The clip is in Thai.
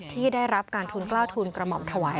ที่ได้รับการทุนกล้าวทุนกระหม่อมถวาย